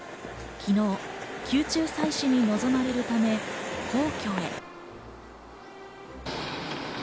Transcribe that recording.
昨日、宮中祭祀に臨まれるため皇居へ。